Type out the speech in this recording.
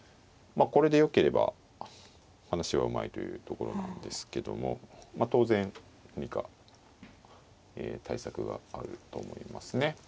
まあこれで良ければ話はうまいというところなんですけどもまあ当然何か対策があると思いますね。